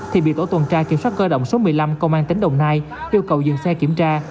thì bị tổ tuần tra kiểm soát cơ động số một mươi năm công an tỉnh đồng nai yêu cầu dừng xe kiểm tra